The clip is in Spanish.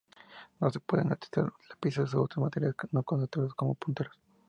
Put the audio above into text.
No se pueden utilizar lápices u otros materiales no conductores como punteros.